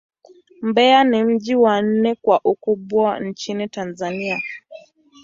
Mbeya ni mji wa nne kwa ukubwa nchini Tanzania.